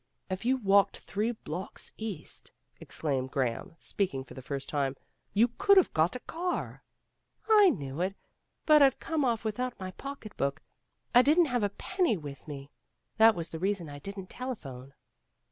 "If you'd walked three blocks east," ex claimed Graham, speaking for the first time, "you could have got a car." "I knew it, but I'd come off without my pocket book. I didn't have a penny with me. That was the reason I didn't telephone."